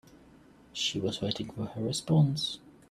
She was waiting for her response.